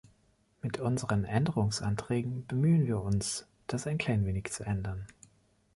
Mit unseren Änderungsanträgen bemühen wir uns, das ein klein wenig zu ändern.